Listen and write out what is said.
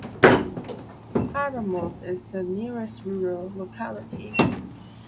Abramov is the nearest rural locality.